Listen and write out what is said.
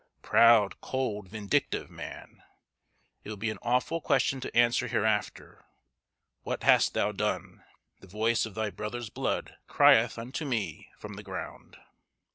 Proud, cold, vindictive man! it will be an awful question to answer hereafter, "What hast thou done? The voice of thy brother's blood crieth unto me from the ground."